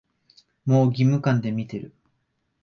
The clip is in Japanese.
もう義務感で見てる